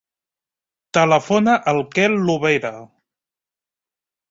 Telefona al Quel Lobera.